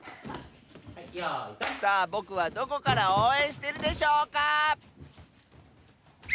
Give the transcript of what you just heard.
さあぼくはどこからおうえんしてるでしょうか？